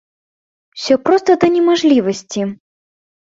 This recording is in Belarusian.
Усё проста да немажлівасці!